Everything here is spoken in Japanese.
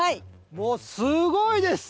もうすごいです！